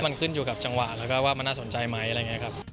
มันขึ้นอยู่กับจังหวะแล้วก็ว่ามันน่าสนใจไหมอะไรอย่างนี้ครับ